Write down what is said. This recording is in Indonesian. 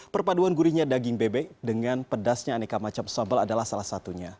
perpaduan gurihnya daging bebek dengan pedasnya aneka macam sambal adalah salah satunya